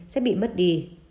sẽ bị mất đi